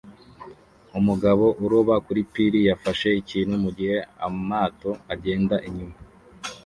Umugabo uroba kuri pir yafashe ikintu mugihe amato agenda inyuma